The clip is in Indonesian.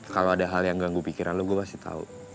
kalau ada hal yang ganggu pikiran lu gue pasti tau